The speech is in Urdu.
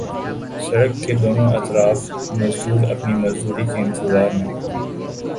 سڑک کے دونوں اطراف مزدور اپنی مزدوری کے انتظار میں